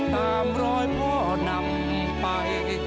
ตามรอยพ่อนำไป